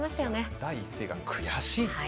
第一声が悔しいって。